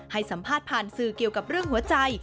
ให้สัมภาษณ์ผ่านสื่อเกี่ยวกับเรื่องหัวใจ